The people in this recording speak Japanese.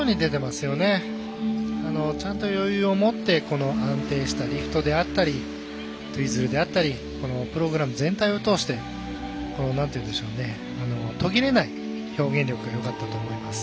ちゃんと、余裕を持って安定したリフトであったりツイズルであったりプログラム全体を通して途切れない表現力がよかったと思います。